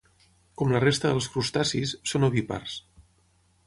Com la resta dels crustacis, són ovípars.